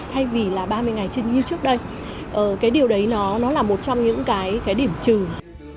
thay vì ba mươi ngày như trước đây điều đấy là một trong những điểm trừng